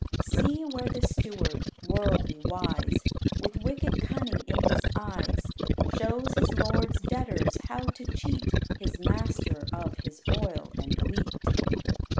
See where the steward, worldly wise, With wicked cunning in his eyes, Shows his lord's debtors how to cheat His master of his oil and wheat.